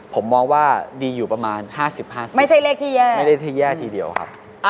ผมมองว่าดีอยู่ประมาณ๕๐๕๐ไม่ใช่เลขทีเดียวครับ